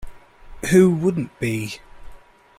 Who wouldn't be?